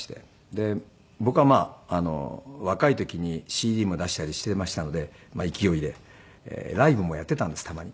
で僕はまあ若い時にＣＤも出したりしていましたのでまあ勢いでライブもやっていたんですたまに。